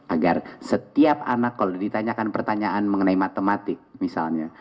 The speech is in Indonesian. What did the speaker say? agar setiap anak kalau ditanyakan pertanyaan mengenai matematik misalnya